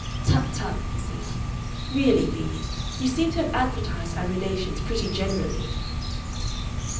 "Tut, tut!" he said. "Really, Vee, you seem to have advertised our relations pretty generally!"